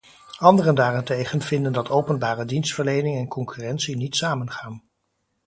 Anderen daarentegen vinden dat openbare dienstverlening en concurrentie niet samengaan.